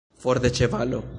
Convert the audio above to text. For de ĉevalo!